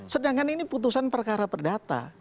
sedangkan ini putusan perkara perdata